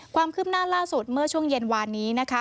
ความคืบหน้าล่าสุดเมื่อช่วงเย็นวานนี้นะคะ